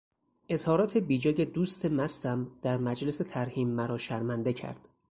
اظهارات بیجای دوست مستم در مجلس ترحیم مرا شرمنده کرد.